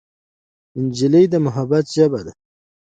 نجلۍ د محبت ژبه ده.